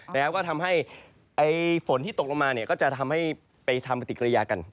แล้วก็ทำให้ฝนที่ตกลงมาก็จะทำให้ไปทำปฏิกิริยากัน